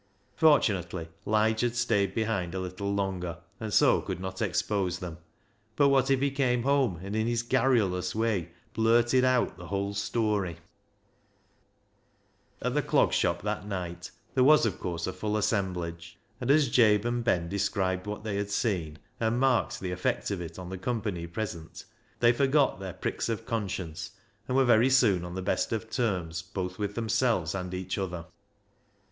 Fortunately Lige had stayed behind a little longer, and so could not expose them ; but what if he came home and in his garrulous way blurted out the whole story ? At the Clog Shop that night there was, of course, a full assemblage, and as Jabe and Ben described what they had seen, and marked the 330 BECKSIDE LIGHTS effect of it on the company present, they forgot their pricks of conscience, and were very soon on the best of terms both with themselves and each other.